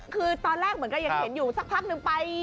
คือตอนแรกก็เห็นอยู่สักพักนึงไป